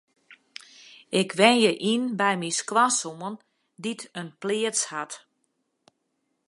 Ik wenje yn by my skoansoan dy't in pleats hat.